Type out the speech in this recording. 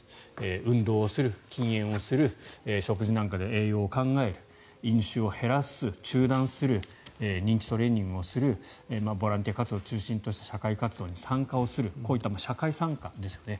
運動をする、禁煙をする食事なんかでは栄養を考える飲酒を減らす、中断する認知トレーニングをするボランティア活動を中心とした社会活動に参加をするこういった社会参加ですよね。